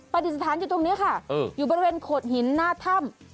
ปฏิสถานอยู่ตรงนี้ค่ะอยู่บริเวณโขดหินหน้าถ้ำ